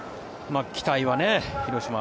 期待は、広島